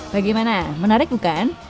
bagaimana menarik bukan